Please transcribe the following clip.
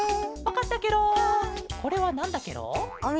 これはなんだケロ？